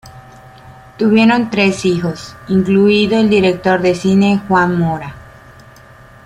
Tuvieron tres hijos, incluido el director de cine Juan Mora.